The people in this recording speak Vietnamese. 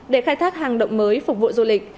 để khai thác hàng động mới phục vụ du lịch